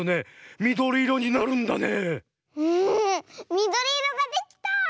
みどりいろができた！